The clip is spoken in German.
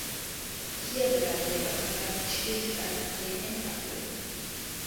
Hier begannen jedoch bereits die Schwierigkeiten an den Endbahnhöfen.